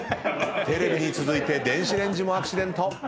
テレビに続いて電子レンジもアクシデント。